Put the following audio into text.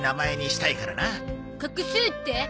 画数って？